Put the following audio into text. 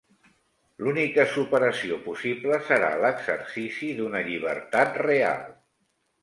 L'única superació possible serà l'exercici d'una llibertat real.